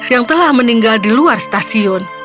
yang telah meninggal di luar stasiun